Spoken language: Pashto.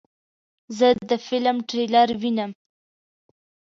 زه د فلم ټریلر وینم.